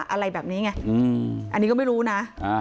อะไรแบบนี้ไงอันนี้ก็ไม่รู้นะ